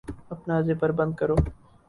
اپنا زپر بند کرو